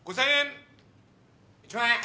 １万円！